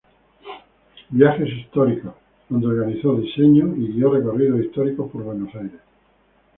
Viajes históricos," donde organizó, diseñó y guió recorridos históricos por Buenos Aires.